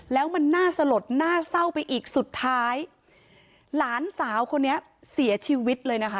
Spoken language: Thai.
แล้วมันน่าสลดน่าเศร้าไปอีกสุดท้ายหลานสาวคนนี้เสียชีวิตเลยนะคะ